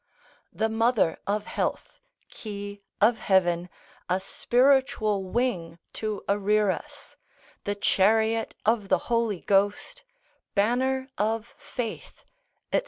The mother of health, key of heaven, a spiritual wing to arear us, the chariot of the Holy Ghost, banner of faith, &c.